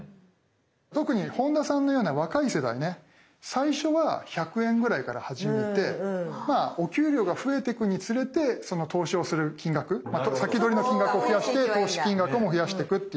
特に本田さんのような若い世代ね最初は１００円ぐらいから始めてお給料が増えてくにつれてその投資をする金額「先取りの金額」を増やして投資金額も増やしてくっていうね。